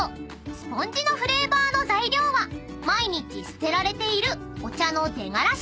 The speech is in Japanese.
スポンジのフレーバーの材料は毎日捨てられているお茶の出がらし］